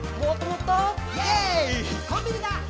「コンビニだ！